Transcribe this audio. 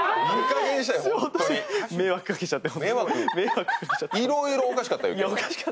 迷惑かけちゃって。